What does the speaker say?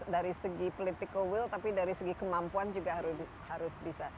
dari segi political will tapi dari segi kemampuan juga harus bisa